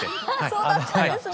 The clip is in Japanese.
そうだったんですね。